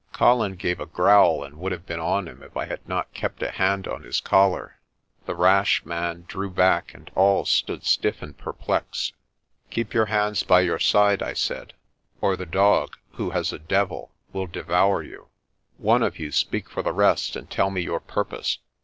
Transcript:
Colin gave a growl and would have been on him if I had not kept a hand on his collar. The rash man drew back and all stood stiff and perplexed. "Keep your hands by your side," I said > "or the dog, who MORNING IN THE BERG 183 has a devil, will devour you. One of you speak for the rest and tell me your purpose."